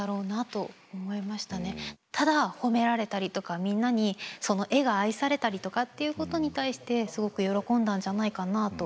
ただ褒められたりとかみんなにその絵が愛されたりとかっていうことに対してすごく喜んだんじゃないかなと思いました。